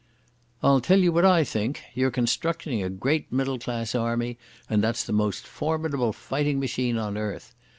"I'll tell you what I think. You're constructing a great middle class army, and that's the most formidable fighting machine on earth.